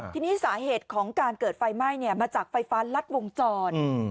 ทีนี้สาเหตุของการเกิดไฟไหม้เนี่ยมาจากไฟฟ้ารัดวงจร